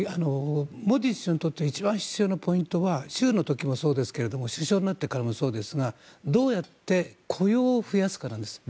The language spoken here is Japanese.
モディ首相にとって一番必要なポイントは州の時もそうですけれども首相になってからもそうですがどうやって雇用を増やすかです。